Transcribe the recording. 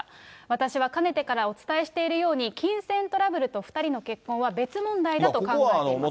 私はかねてからお伝えしているように、金銭トラブルと２人の結婚は別問題だと考えています。